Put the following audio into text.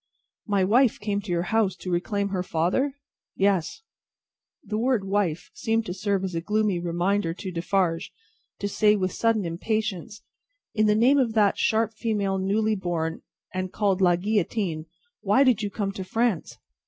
"My wife came to your house to reclaim her father? Yes!" The word "wife" seemed to serve as a gloomy reminder to Defarge, to say with sudden impatience, "In the name of that sharp female newly born, and called La Guillotine, why did you come to France?"